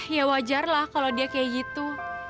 ya wajarlah kalo dia kayak gitu